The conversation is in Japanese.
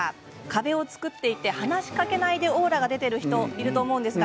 壁を作っていて話しかけないでオーラが出ている人、いると思います。